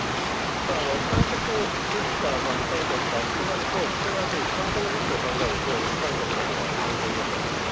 観客を入れるか無観客かとなるとこれは、やはり感染のリスクを考えると無観客のほうが安全だと思います。